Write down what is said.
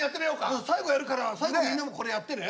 うん最後やるから最後みんなもこれやってね。